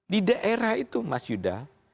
di daerah itu mas yuda